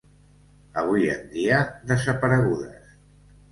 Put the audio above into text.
Avui en dia desaparegudes.